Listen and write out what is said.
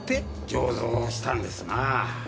醸造したんですなぁ。